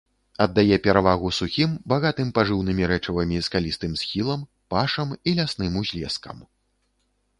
Аддае перавагу сухім, багатым пажыўнымі рэчывамі, скалістым схілам, пашам і лясным узлескам.